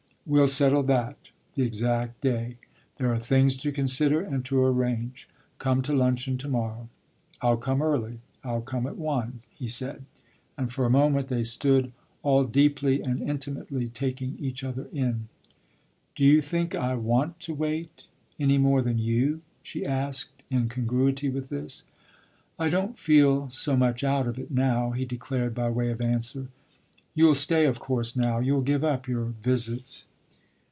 "We'll settle that the exact day; there are things to consider and to arrange. Come to luncheon to morrow." "I'll come early I'll come at one," he said; and for a moment they stood all deeply and intimately taking each other in. "Do you think I want to wait, any more than you?" she asked in congruity with this. "I don't feel so much out of it now!" he declared by way of answer. "You'll stay of course now you'll give up your visits?"